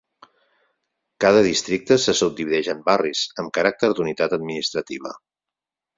Cada districte se subdivideix en barris, amb caràcter d'unitat administrativa.